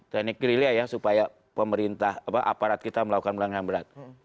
teknik gerilihan ya supaya pemerintah apa aparat kita melakukan pelanggaran ham berat